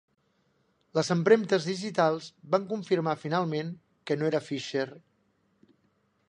Les empremtes digitals van confirmar finalment que no era Fisher.